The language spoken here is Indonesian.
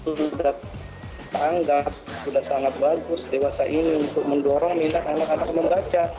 saya gembira pemerintah sudah sangat bagus dewasa ini untuk mendorong minat anak anak membaca